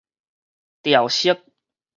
潮汐